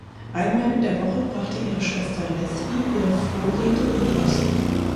Einmal in der Woche brachte ihre Schwester Leslie ihr Vorräte und Post.